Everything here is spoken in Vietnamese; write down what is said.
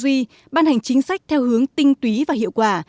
tư duy ban hành chính sách theo hướng tinh túy và hiệu quả